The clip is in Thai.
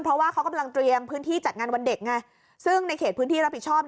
เพราะว่าเขากำลังเตรียมพื้นที่จัดงานวันเด็กไงซึ่งในเขตพื้นที่รับผิดชอบ